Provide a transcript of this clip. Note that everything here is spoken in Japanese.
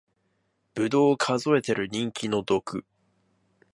ぶどう数えてる人気の毒